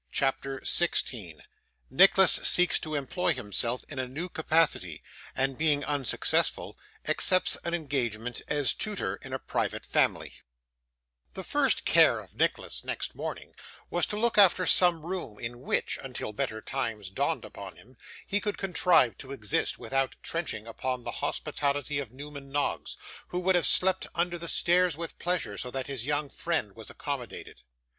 CHAPTER 16 Nicholas seeks to employ himself in a New Capacity, and being unsuccessful, accepts an engagement as Tutor in a Private Family The first care of Nicholas, next morning, was, to look after some room in which, until better times dawned upon him, he could contrive to exist, without trenching upon the hospitality of Newman Noggs, who would have slept upon the stairs with pleasure, so that his young friend was accommodated.